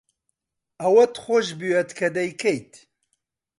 ئەوەت خۆش بوێت کە دەیکەیت.